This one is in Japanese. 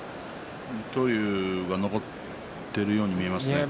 水戸龍が残っているように見えますね。